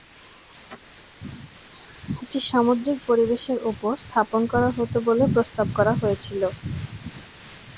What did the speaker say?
এটি সামুদ্রিক পরিবেশের উপর স্থাপন করা হতো বলে প্রস্তাব করা হয়েছিল।